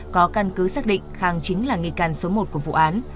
có căn cứ xác định khang chính là nghi can số một của vụ án